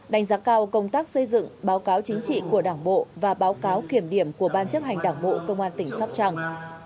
đánh giá cao công tác xây dựng báo cáo chính trị của đảng bộ và báo cáo kiểm điểm của ban chấp hành đảng bộ công an tỉnh sóc trăng